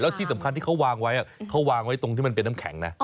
แล้วที่สำคัญว่าเขาวางไว้ตรงที่มันเป็นน้ำแข็งนะ